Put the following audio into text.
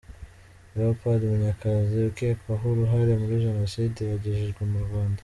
Leopold Munyakazi ukekwaho uruhare muri jenoside yagejejwe mu Rwanda.